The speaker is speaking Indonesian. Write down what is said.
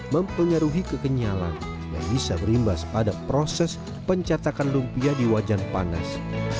mempengaruhi kekenyalan yang bisa berimbas pada proses pencatakan lumpia di wajan panas